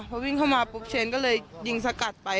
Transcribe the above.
พอวิ่งเข้ามาปุ๊บเชนก็เลยยิงสกัดไป